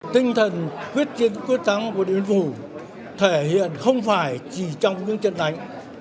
tinh thần quyết chiến quyết thắng của điện biên phủ thể hiện không phải chỉ trong những trận đánh